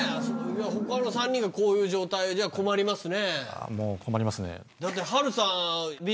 他の３人がこういう状態では困りますね。